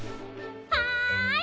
はい！